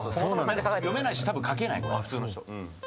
読めないしたぶん書けないこれ普通の人。